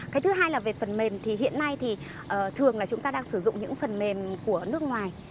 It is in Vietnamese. cái thứ hai là về phần mềm thì hiện nay thì thường là chúng ta đang sử dụng những phần mềm của nước ngoài